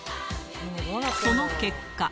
その結果。